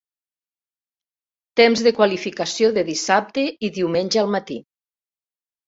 Temps de qualificació de dissabte i diumenge al matí.